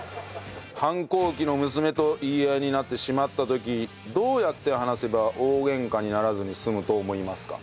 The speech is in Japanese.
反抗期の娘と言い合いになってしまった時どうやって話せば大ゲンカにならずに済むと思いますか？